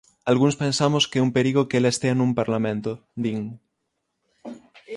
Algúns pensamos que é un perigo que ela estea nun Parlamento, din.